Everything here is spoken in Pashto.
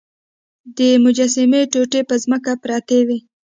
د مجسمې ټوټې په ځمکه پرتې وې.